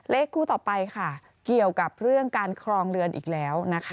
เลขคู่ต่อไปค่ะเกี่ยวกับเรื่องการครองเรือนอีกแล้วนะคะ